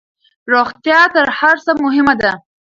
روغتيا تر هرڅه مهمه ده